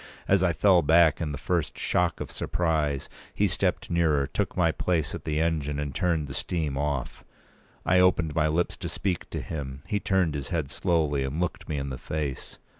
As I fell back in the first shock of surprise, he stepped nearer; took my place at p. 217the engine, and turned the steam off. I opened my lips to speak to him; he turned his head slowly, and looked me in the face.